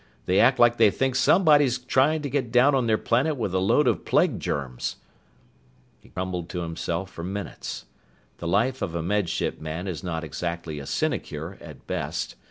They act like they think somebody's trying to get down on their planet with a load of plague germs!" He grumbled to himself for minutes. The life of a Med Ship man is not exactly a sinecure, at best.